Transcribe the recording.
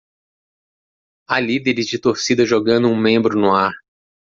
Há líderes de torcida jogando um membro no ar.